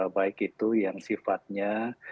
baik itu yang sifatnya